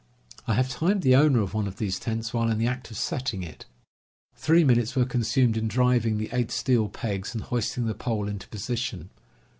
... I have timed the owner of one of these tents while in the act of setting it. Three minutes were consumed in driving the eight steel pegs and hoisting the pole into position.